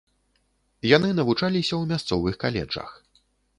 Яны навучаліся ў мясцовых каледжах.